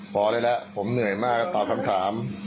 พอได้แล้วผมเหนื่อยมากก็ตอบคำถาม